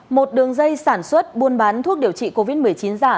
một đường dây sản xuất buôn bán thuốc điều trị covid một mươi chín giả